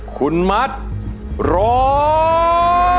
คุณมัดร้อง